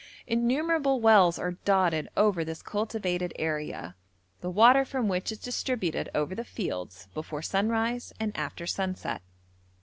Innumerable wells are dotted over this cultivated area, the water from which is distributed over the fields before sunrise and after sunset.